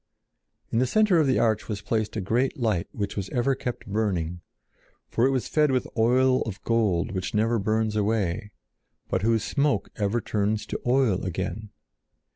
In the center of the arch was placed a great light which was ever kept burning, for it was fed with oil of gold which never burns away, but whose smoke ever turns to oil again.